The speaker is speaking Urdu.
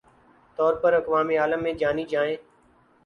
طور پہ اقوام عالم میں جانی جائیں